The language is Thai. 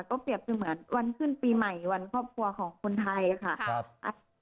ก็เปรียบเสมือนวันขึ้นปีใหม่วันครอบครัวของคนไทยค่ะ